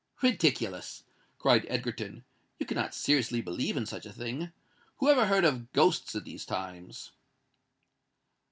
"Ridiculous!" cried Egerton: "you cannot seriously believe in such a thing? Who ever heard of ghosts in these times?"